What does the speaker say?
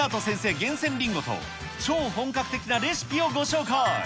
厳選りんごと超本格的なレシピをご紹介。